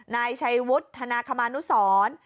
นายชัยวุฒิทนคมร์นุสร